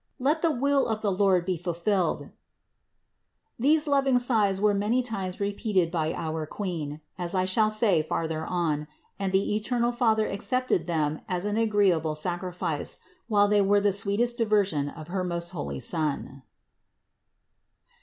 Let the will of the Lord be fulfilled." These 2 10 126 CITY OF GOD loving sighs were many times repeated by our Queen, as I shall say farther on, and the eternal Father accepted them as an agreeable sacrifice, while they were the sweet est diversion of her most holy Son.